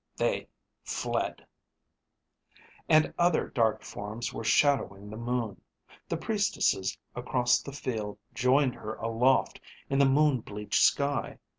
They fled. And other dark forms were shadowing the moon. The priestesses across the field joined her aloft in the moon bleached sky.